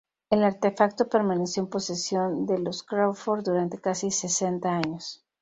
El artefacto permaneció en posesión de los Crawford durante casi sesenta años.